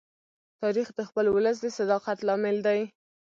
تاریخ د خپل ولس د صداقت لامل دی.